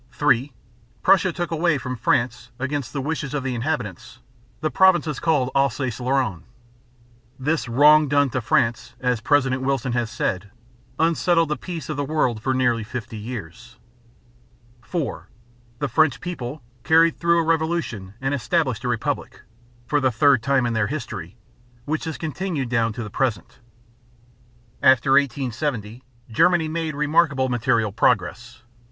(3) Prussia took away from France, against the wishes of the inhabitants, the provinces called Alsace Lorraine. This "wrong done to France," as President Wilson has said, "unsettled the peace of the world for nearly fifty years." (4) The French people carried through a revolution and established a republic for the third time in their history which has continued down to the present. After 1870 Germany made remarkable material progress.